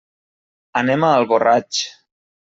Anem a Alboraig.